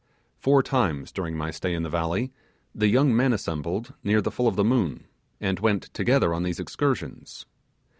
Four times during my stay in the valley the young men assembled near the full of the moon, and went together on these excursions.